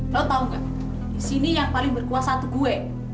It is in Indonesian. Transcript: lo tau nggak disini yang paling berkuasa itu gue